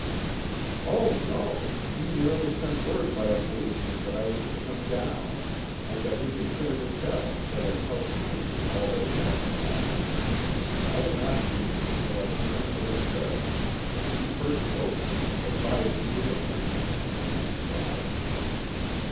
"Oh, no. He merely sent word by a policeman that I was to come down and that he considered it best that I tell frankly all that had happened that night. I did not see him until I came into the study and he first spoke to me, advising me to answer," she replied.